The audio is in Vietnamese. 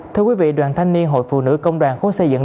thưa quý vị đoàn thanh niên hội phụ nữ công đoàn khối xây dựng